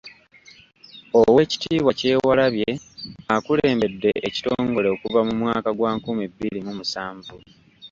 Oweekitiibwa Kyewalabye akulembedde ekitongole okuva mu mwaka gwa nkumi bbiri mu musanvu.